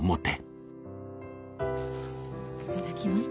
いただきます。